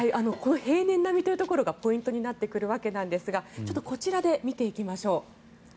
平年並みというところがポイントになってくるわけですがこちらで見ていきましょう。